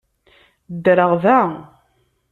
Ddreɣ da.